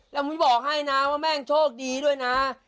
แล้วมุ้ยบอกให้นะว่าแม่งโชคดีด้วยนะ